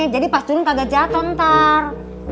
jadi pas turun kagak jatuh ntar